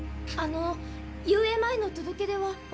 あの遊泳前の届け出は？